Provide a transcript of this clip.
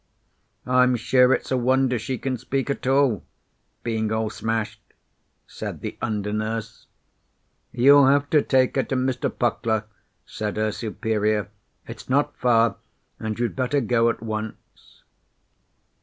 "I'm sure it's a wonder she can speak at all, being all smashed," said the under nurse. "You'll have to take her to Mr. Puckler," said her superior. "It's not far, and you'd better go at once."